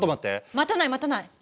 待たない待たない。